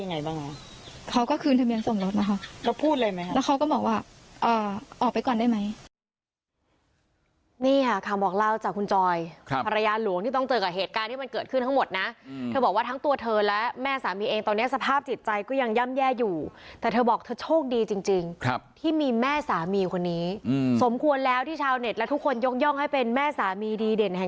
นี่ค่ะคำบอกเล่าจากคุณจอยครับภรรยาหลวงที่ต้องเจอกับเหตุการณ์ที่มันเกิดขึ้นทั้งหมดน่ะอืมเธอบอกว่าทั้งตัวเธอและแม่สามีเองตอนเนี้ยสภาพจิตใจก็ยังย่ำแย่อยู่แต่เธอบอกเธอโชคดีจริงจริงครับที่มีแม่สามีคนนี้อืมสมควรแล้วที่ชาวเน็ตและทุกคนย่องย่องให้เป็นแม่สามีดีเด่นแห่